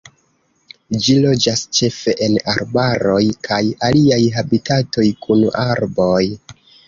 Ĝi loĝas ĉefe en arbaroj kaj aliaj habitatoj kun arboj.